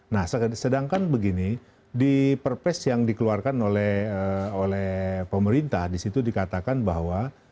nah sedangkan begini di perpres yang dikeluarkan oleh pemerintah di situ dikatakan bahwa